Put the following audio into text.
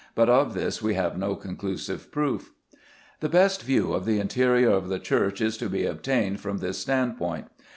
But of this we have no conclusive proof. The best view of the interior of the church is to be obtained from this standpoint.